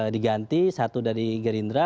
diganti satu dari gerindra